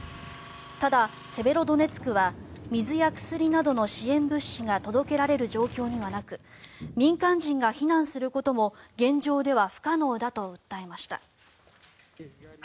ただ、セベロドネツクは水や薬などの支援物資が届けられる状況にはなく民間人が避難することも現状では不可能だと訴えました。